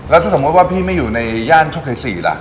แล้วถ้าสมมุติว่าพี่ไม่อยู่ในย่านโชคชัย๔ล่ะ